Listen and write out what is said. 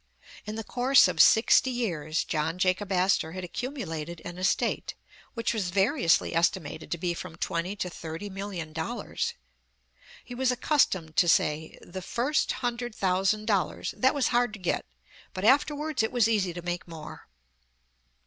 In the course of sixty years, John Jacob Astor had accumulated an estate, which was variouslj^ estimated to be from twenty to thirty million dollars. He was accustomed to say :'* The first hundred thousand dollars — that was hard to get; but afterwards it was easy to make more."